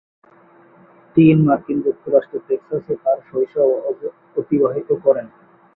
তিনি মার্কিন যুক্তরাষ্ট্রের টেক্সাসে তার শৈশব অতিবাহিত করেন।